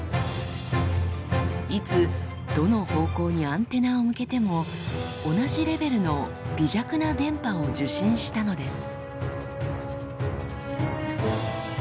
いつどの方向にアンテナを向けても同じレベルの微弱な電波を受信したのです。